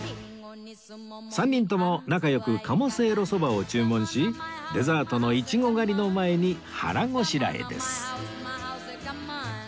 ３人とも仲良く鴨せいろそばを注文しデザートのイチゴ狩りの前に腹ごしらえです